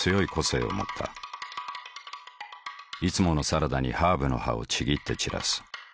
いつものサラダにハーブの葉をちぎって散らす。